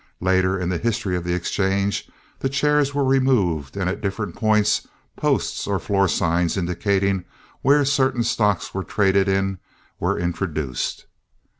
Later in the history of the exchange the chairs were removed and at different points posts or floor signs indicating where certain stocks were traded in were introduced.